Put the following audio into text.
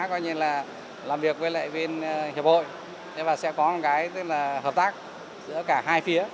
coi như là làm việc với lại bên hiệp hội và sẽ có hợp tác giữa cả hai phía